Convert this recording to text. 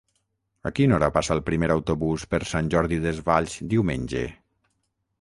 A quina hora passa el primer autobús per Sant Jordi Desvalls diumenge?